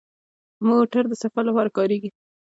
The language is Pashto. موټر د سفر لپاره کارېږي.